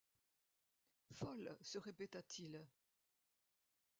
Folle! se répéta-t-il.